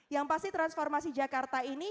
yang pasti transformasi jakarta ini